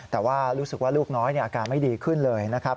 แต่ว่ารู้สึกว่าลูกน้อยอาการไม่ดีขึ้นเลยนะครับ